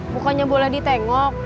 bukannya boleh ditengok